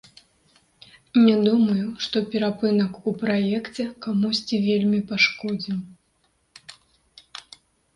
Не думаю, што перапынак у праекце камусьці вельмі пашкодзіў.